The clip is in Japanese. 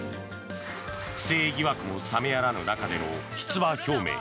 不正疑惑も冷めやらぬ中での出馬表明。